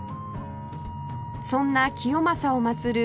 そんな清正をまつる